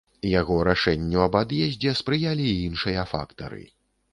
Яго рашэнню аб ад'ездзе спрыялі і іншыя фактары.